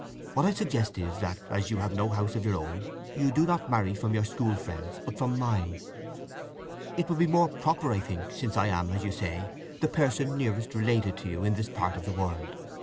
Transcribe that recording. What I suggest is that, as you have no house of your own, you do not marry from your school friend's, but from mine. It would be more proper, I think, since I am, as you say, the person nearest related to you in this part of the world.